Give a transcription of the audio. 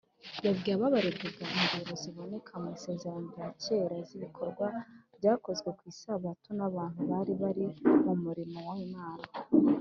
yabwiye ababaregaga ingero ziboneka mu isezerano rya kera z’ibikorwa byakozwe ku isabato n’abantu bari bari mu murimo w’imana